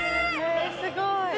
・すごい。